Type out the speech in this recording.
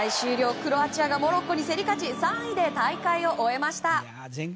クロアチアがモロッコに競り勝ち３位で大会を終えました。